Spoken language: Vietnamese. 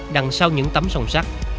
đằng sau những tấm sông sắc